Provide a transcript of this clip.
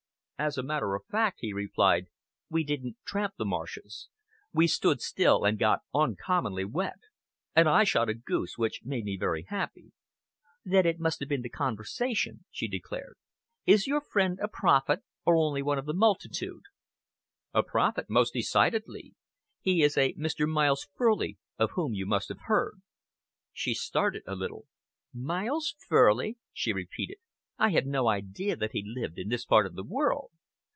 "As a matter of fact," he replied, "we didn't tramp the marshes. We stood still and got uncommonly wet. And I shot a goose, which made me very happy." "Then it must have been the conversation," she declared. "Is your friend a prophet or only one of the multitude?" "A prophet, most decidedly. He is a Mr. Miles Furley, of whom you must have heard." She started a little. "Miles Furley!" she repeated. "I had no idea that he lived in this part of the world."